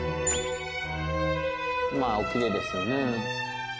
まあおきれいですよね